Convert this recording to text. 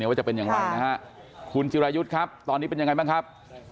ว่าจะเป็นอย่างไรนะฮะคุณจิรายุทธ์ครับตอนนี้เป็นยังไงบ้างครับ